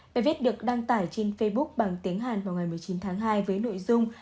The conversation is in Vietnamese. bài viết được đăng tải trên facebook bằng tiếng hàn vào ngày một mươi chín tháng hai với nội dung